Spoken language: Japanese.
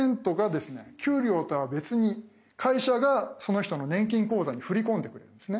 給料とは別に会社がその人の年金口座に振り込んでくれるんですね。